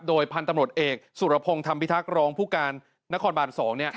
โดยพันธุ์ตำรวจเอกสุรพงศ์ธรรมพิทักษ์รองผู้การนครบาน๒